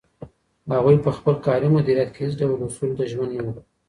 هغوی په خپل کاري مدیریت کې هیڅ ډول اصولو ته ژمن نه وو.